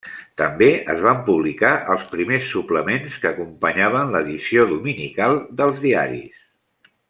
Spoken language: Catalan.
També es van publicar els primers suplements que acompanyaven l'edició dominical dels diaris.